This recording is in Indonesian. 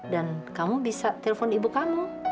dan kamu bisa telepon ibu kamu